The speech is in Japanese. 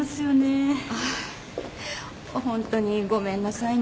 本当にごめんなさいね